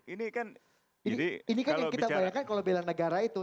ini kan kalau kita bayangkan kalau belan negara itu